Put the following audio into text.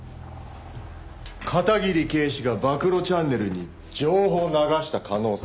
片桐警視が暴露チャンネルに情報を流した可能性が？